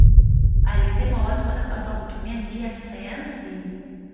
Alisema watu wanapaswa kutumia njia ya kisayansi.